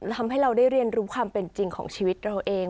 ทำให้เราได้เรียนรู้ความเป็นจริงของชีวิตเราเอง